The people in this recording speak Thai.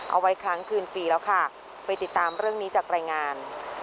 เอาไว้ครั้งคืนปีแล้วค่ะไปติดตามเรื่องนี้จากรายงาน